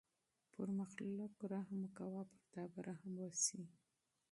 پر مخلوق رحم کوه چې پر تا رحم وشي.